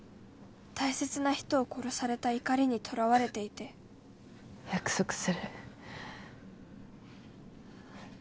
大切な人を殺された怒りにとらわれていて約束する。